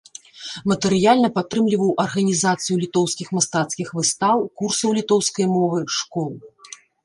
Матэрыяльна падтрымліваў арганізацыю літоўскіх мастацкіх выстаў, курсаў літоўскай мовы, школ.